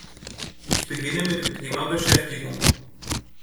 Ich beginne mit dem Thema Beschäftigung.